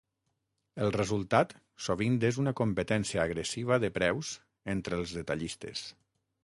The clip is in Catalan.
El resultat sovint és una competència agressiva de preus entre els detallistes.